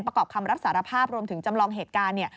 ประกอบคำรับสารภาพรวมถึงจำลองเหตุการณ์เนี่ย